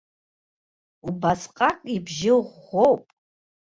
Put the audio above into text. Убасҟак ибжьы ӷәӷәоуп.